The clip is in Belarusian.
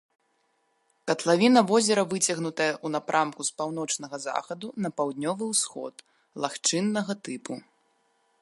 Катлавіна возера выцягнутая ў напрамку з паўночнага захаду на паўднёвы усход, лагчыннага тыпу.